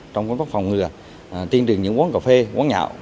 trong các phòng ngừa tiên triển những quán cà phê quán nhạo